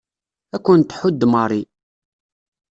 Ad kent-tḥudd Mary.